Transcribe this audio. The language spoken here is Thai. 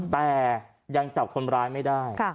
แต่ยังจับคนร้ายไม่ได้